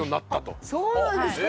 そうなんですか？